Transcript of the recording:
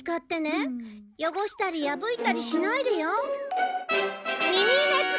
汚したり破いたりしないでよ。